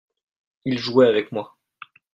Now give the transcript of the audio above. il jouait avec moi.